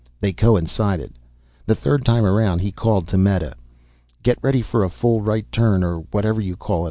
They coincided. The third time around he called to Meta. "Get ready for a full right turn, or whatever you call it.